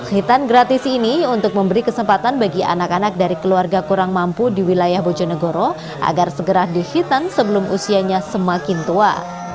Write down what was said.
hitan gratis ini untuk memberi kesempatan bagi anak anak dari keluarga kurang mampu di wilayah bojonegoro agar segera dihitan sebelum usianya semakin tua